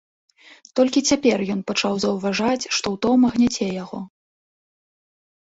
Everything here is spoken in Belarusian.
Толькі цяпер ён пачаў заўважаць, што ўтома гняце яго.